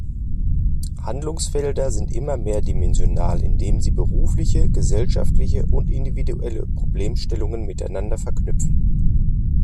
Handlungsfelder sind immer mehrdimensional, indem sie berufliche, gesellschaftliche und individuelle Problemstellungen miteinander verknüpfen.